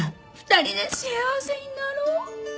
２人で幸せになろう！